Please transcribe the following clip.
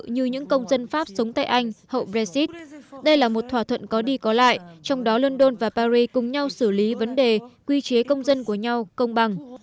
như những công dân pháp sống tại anh hậu brexit đây là một thỏa thuận có đi có lại trong đó london và paris cùng nhau xử lý vấn đề quy chế công dân của nhau công bằng